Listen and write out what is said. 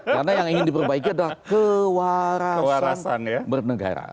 karena yang ingin diperbaiki adalah kewarasan bernegara